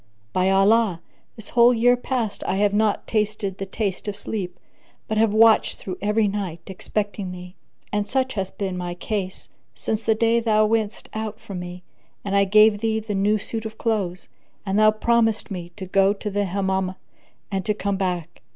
By Allah, this whole year past I have not tasted the taste of sleep, but have watched through every night, expecting thee; and such hath been my case since the day thou wentest out from me and I gave thee the new suit of clothes, and thou promisedst me to go to the Hammam and to come back!